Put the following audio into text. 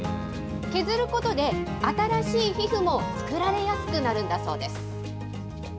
削ることで、新しい皮膚も作られやすくなるんだそうです。